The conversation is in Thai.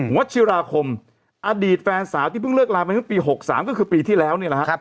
วัชิราคมอดีตแฟนสาวที่เพิ่งเลิกลาไปทั้งปี๖๓ก็คือปีที่แล้วนี่แหละครับ